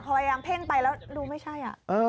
พอเป็นไปแล้วรู้ไม่ใช่